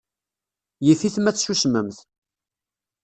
Yif-it ma tsusmemt.